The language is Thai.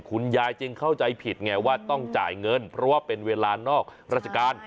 คุณยายจึงเข้าใจผิดไงว่าต้องจ่ายเงินเพราะว่าเป็นเวลานอกราชการ